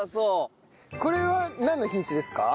これはなんの品種ですか？